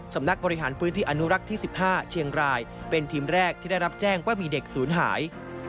สำนักบริหารพื้นที่อนุรักษ์ที่๑๕เชียงรายเป็นทีมแรกที่ได้รับแจ้งว่ามีเด็กศูนย์หาย